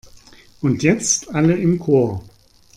Und jetzt alle im Chor!